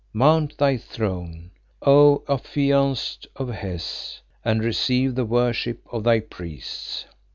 Mount thy throne, O Affianced of Hes, and receive the worship of thy priests."